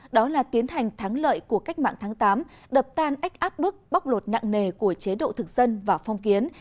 đó là tiến hành thắng lợi của cách mạng tháng tám đập tan ách áp bức bóc lột nặng nề của chế độ thực dân và phong kiến